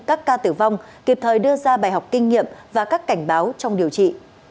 các ca tử vong kịp thời đưa ra bài học kinh nghiệm và các cảnh báo trong điều trị